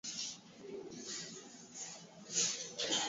Mnyama aliyeambukizwa adhibitiwe ili asiambukize wengine